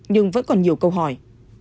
nhưng vẫn còn nhiều câu hỏi